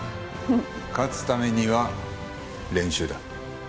勝つためには練習だ。